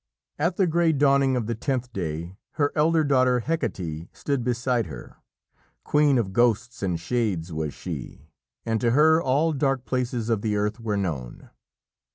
At the grey dawning of the tenth day her elder daughter, Hecate, stood beside her. Queen of ghosts and shades was she, and to her all dark places of the earth were known.